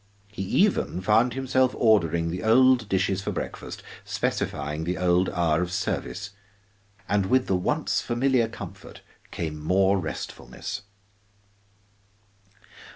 He even found himself ordering the old dishes for breakfast, specifying the old hour of service. And with the once familiar comfort came more restfulness.